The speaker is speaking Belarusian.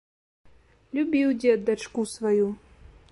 Любіў дзед дачку сваю.